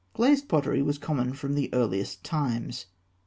] Glazed pottery was common from the earliest times.